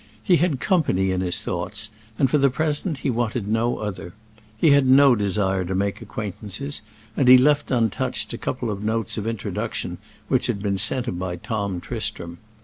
He had company in his thoughts, and for the present he wanted no other. He had no desire to make acquaintances, and he left untouched a couple of notes of introduction which had been sent him by Tom Tristram.